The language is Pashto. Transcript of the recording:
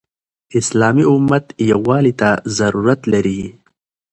اسلامي امت يووالي ته ضرورت لري.